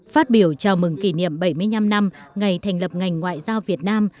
phát biểu chào mừng kỷ niệm bảy mươi năm năm ngày thành lập ngành ngoại giao việt nam